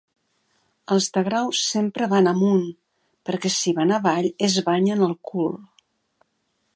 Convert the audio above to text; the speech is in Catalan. Els del Grau sempre van amunt, perquè si van avall es banyen el cul.